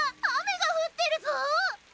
雨が降ってるぞ！